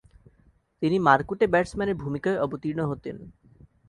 তিনি মারকুটে ব্যাটসম্যানের ভূমিকায় অবতীর্ণ হতেন।